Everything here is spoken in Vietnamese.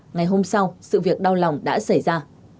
ngày hôm sau sự việc đau lòng đã xảy ra